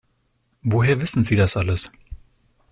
Woher wissen Sie das alles?